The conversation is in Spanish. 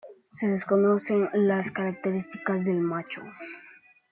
Se desconocen las características del macho.